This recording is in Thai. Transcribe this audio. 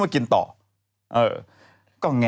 หมวดไปทั้งหลายพันทุกอย่าง